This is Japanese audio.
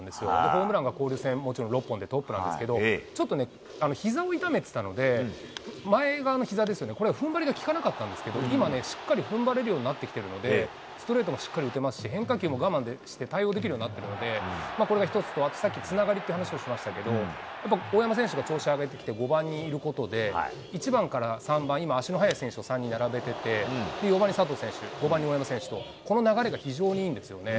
ホームランが交流戦、もちろん６本でトップなんですけれども、ちょっとひざを痛めてたので、前側のひざですよね、これはふんばりがきかなかったんですけど、今ね、しっかりふんばれるようになってきているので、ストレートもしっかり打てますし、変化球も我慢して対応できるようになったので、これが一つと、あとさっきつながりという話をしましたけど、やっぱ大山選手が調子上がってきて、５番にいることで、１番から３番、今、足の速い選手を３人並べてて、４番に佐藤選手、５番の大山選手と、この流れが非常にいいんですよね。